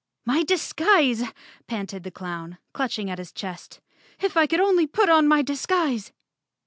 "My disguise 1" panted the clown, clutching at his chest. "If I could only put on my disguise."